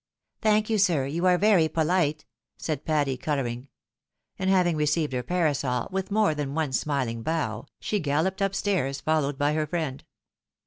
" Thank you, sir. You are very poUte," said Patty, colour ing ; and having received her parasol with more than one s milin g bow, she galloped up stairs, followed by her friend.